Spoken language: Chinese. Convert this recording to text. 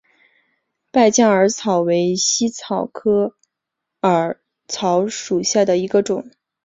败酱耳草为茜草科耳草属下的一个种。